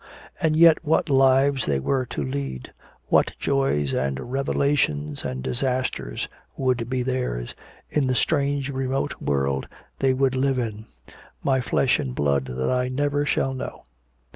And yet what lives they were to lead, what joys and revelations and disasters would be theirs, in the strange remote world they would live in "my flesh and blood that I never shall know."